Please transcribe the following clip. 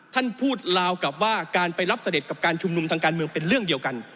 ท่านพูดลาวกลับว่าการไปรับเสด็จกับการชุมนุมทางการเมืองเป็นเรื่องเดียวกัน